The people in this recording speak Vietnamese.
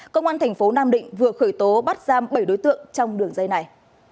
công an thành phố nam định vừa khởi tố bắt giam bảy đối tượng trong đường dây này